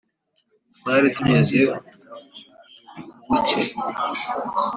Twari tugeze ku buce